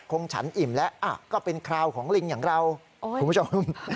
ฉันอิ่มแล้วก็เป็นคราวของลิงอย่างเราคุณผู้ชม